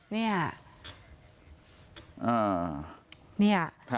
เนี่ย